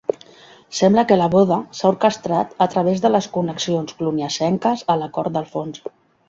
Sembla que la boda s'ha orquestrat a través de les connexions cluniacenques a la cort d'Alfons.